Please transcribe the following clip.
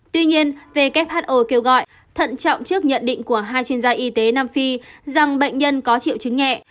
tuy nhiên who kêu gọi thận trọng trước nhận định của hai chuyên gia y tế nam phi rằng bệnh nhân có triệu chứng nhẹ